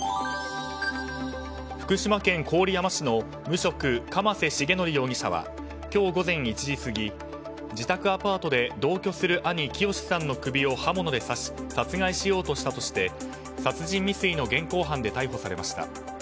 福島県郡山市の無職鎌瀬重則容疑者は今日午前１時過ぎ自宅アパートで同居する兄・喜好さんの首を刃物で刺し殺害しようとしたとして殺人未遂の現行犯で逮捕されました。